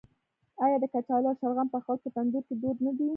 آیا د کچالو او شلغم پخول په تندور کې دود نه دی؟